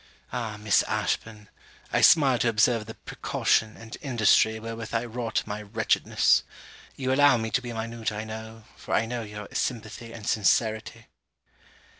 Ah, Miss Ashburn! I smile to observe the precaution, and industry, wherewith I wrought my wretchedness! You allow me to be minute I know, for I know your sympathy and sincerity.